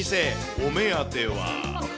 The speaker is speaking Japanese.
お目当ては。